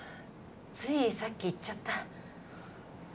ついさっき行っちゃった。